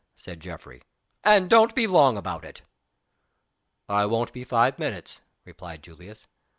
said Geoffrey. "And don't be long about it." "I won't be five minutes," replied Julius.